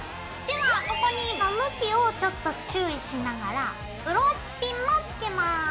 ではここに向きをちょっと注意しながらブローチピンもつけます。